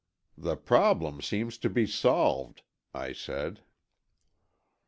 "The problem seems to be solved," I said.